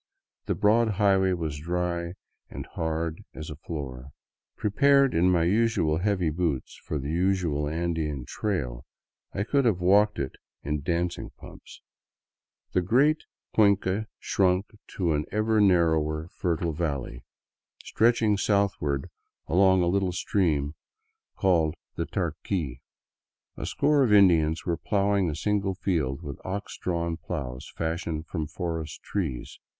The broad highway was dry and hard as a floor. Prepared in my heavy boots for the usual Andean trail, I could have walked it in dancing pumps. The great cuenca shrunk to an ever narrower, fertile valley, 197 VAGABONDING DOWN THE ANDES stretching southward along a Httle stream called the Tarqui. A score of Indians were plowing a single field with ox drawn plows fashioned from forest trees.